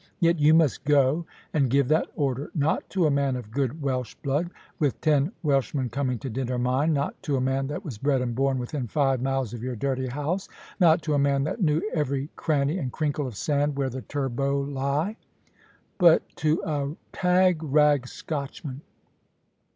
Yet you must go and give that order, not to a man of good Welsh blood with ten Welshmen coming to dinner, mind not to a man that was bred and born within five miles of your dirty house not to a man that knew every cranny and crinkle of sand where the turbots lie; but to a tag rag Scotchman!